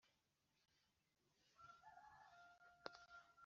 Ubuntu nubumuntu ntibishira muri we